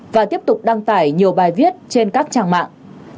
và tiếp tục đăng tải nhiều bài viết trên các trang mạng